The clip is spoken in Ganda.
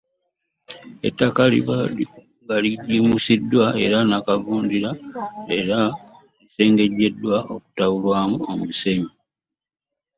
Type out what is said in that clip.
Ettaka lina okuba nga ligimusiddwa ne nnakavundira, eranga lisengejjeddwa n’okutabulwamu omusenyu.